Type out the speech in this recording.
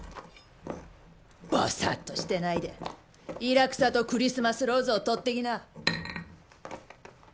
ぼさっとしてないでイラクサとクリスマスローズをとってきな。